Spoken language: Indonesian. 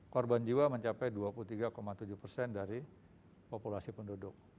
korban jiwa mencapai dua puluh tiga tujuh persen dari populasi penduduk